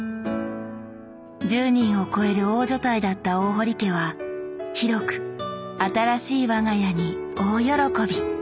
１０人を超える大所帯だった大堀家は広く新しい我が家に大喜び。